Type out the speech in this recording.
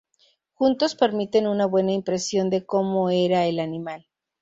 Juntos permiten una buena impresión de cómo era el animal.